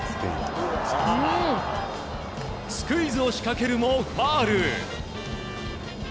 スクイズを仕掛けるもファウル。